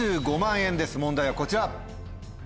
問題はこちら。